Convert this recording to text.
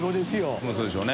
發そうでしょうね。